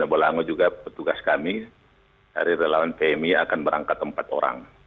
bona bola ango juga petugas kami dari relawan pmi akan berangkat empat orang